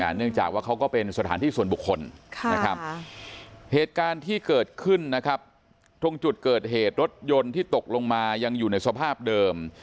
เนื่องจากว่าเขาก็เป็นสถานที่ส่วนบุคคลนะครับเหตุการณ์ที่เกิดขึ้นนะครับตรงจุดเกิดเหตุรถยนต์ที่ตกลงมายังอยู่ในสภาพเดิม